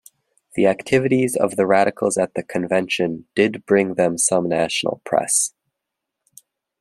The activities of the radicals at the convention did bring them some national press.